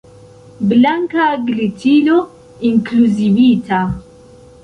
Blanka glitilo inkluzivita.